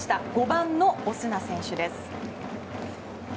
５番のオスナ選手です。